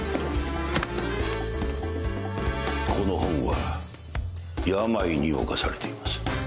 この本は病に侵されています。